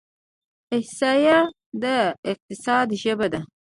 احصایه د اقتصاد ژبه ده.